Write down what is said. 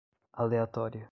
aleatória